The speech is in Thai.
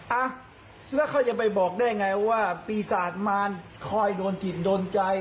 เอาแล้วเขาจะไปบอกได้ไงว่าภีษามัณฑ์คอยโดนติดโดนใจ